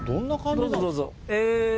どうぞ、どうぞ。